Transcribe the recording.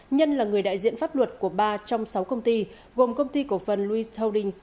nhân là người đại diện pháp luật của ba trong sáu công ty gồm công ty cổ phần louis holdings